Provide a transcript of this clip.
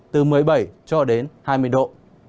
từ một mươi bảy hai mươi độ